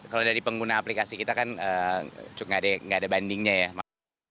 kalau dari pengguna aplikasi kita kan nggak ada bandingnya ya